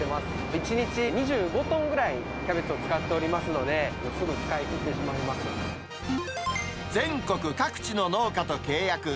１日２５トンぐらいキャベツを使っておりますので、すぐ使いきっ全国各地の農家と契約。